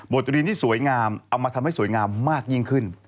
ตรีที่สวยงามเอามาทำให้สวยงามมากยิ่งขึ้น